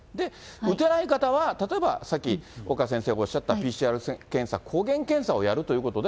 打てない方は、例えばさっき、岡先生がおっしゃった、ＰＣＲ検査、抗原検査をやるということで、